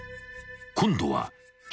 ［今度は］